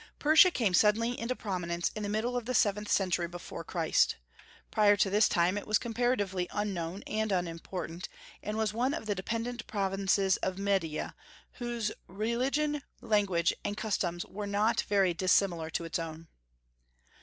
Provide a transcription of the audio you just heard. Persia came suddenly into prominence in the middle of the seventh century before Christ. Prior to this time it was comparatively unknown and unimportant, and was one of the dependent provinces of Media, whose religion, language, and customs were not very dissimilar to its own.